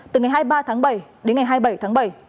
từ ngày hai mươi ba tháng bảy đến ngày hai mươi bảy tháng bảy